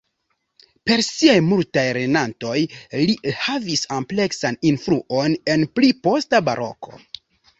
Per siaj multaj lernantoj, li havis ampleksan influon en pli posta Baroko.